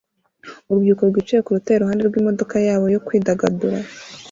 Urubyiruko rwicaye ku rutare iruhande rw'imodoka yabo yo kwidagadura